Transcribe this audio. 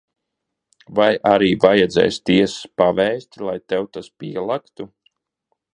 Vai arī vajadzēs tiesas pavēsti, lai tev tas pielektu?